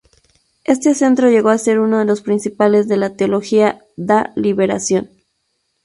Este centro llegó a ser uno de los principales de la teología da liberación.